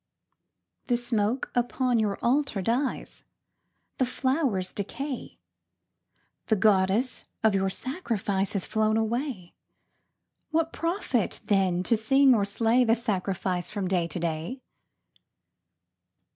_) The smoke upon your Altar dies, The flowers decay, The Goddess of your sacrifice Has flown away. What profit, then, to sing or slay The sacrifice from day to day?